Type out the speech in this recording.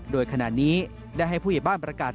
โดยขณะนี้ได้ให้ผู้ใหญ่บ้านประกาศ